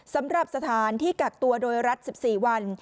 สำหรับสถานที่กักตัวโดยรัฐ๑๔วัน